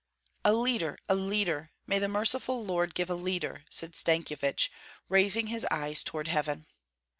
"A leader, a leader; may the merciful Lord give a leader!" said Stankyevich, raising his eyes toward heaven.